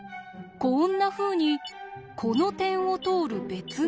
こんなふうにこの点を通る別の直線